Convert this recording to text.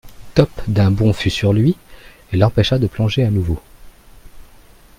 Top d’un bond fut sur lui, et l’empêcha de plonger à nouveau